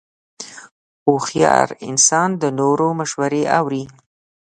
هوښیار انسان د نورو مشورې اوري.